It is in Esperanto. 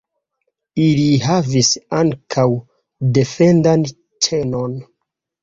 Ili havis ankaŭ defendan ĉenon.